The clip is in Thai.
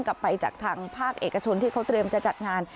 กลับไปจากทางภาคเอกชนที่เขาเตรียมจะจัดงาน